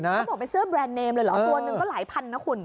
เขาบอกเป็นเสื้อแบรนด์เนมเลยเหรอตัวหนึ่งก็หลายพันนะคุณ